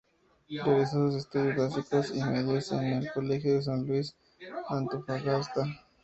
Realizó sus estudios básicos y medios en el Colegio San Luis de Antofagasta.